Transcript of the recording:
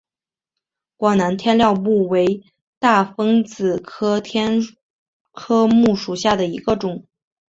广南天料木为大风子科天料木属下的一个种。